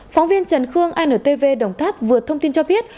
phóng viên trần khương antv đồng tháp vừa thông tin cho biết